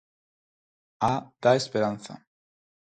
A da esperanza.